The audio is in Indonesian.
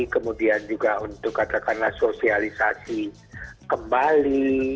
kemudian juga untuk katakanlah sosialisasi kembali